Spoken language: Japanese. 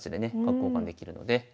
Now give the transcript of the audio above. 交換できるので。